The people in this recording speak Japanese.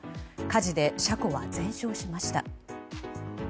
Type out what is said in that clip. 火事で車庫は全焼しました。